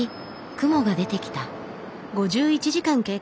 雲が出てきた。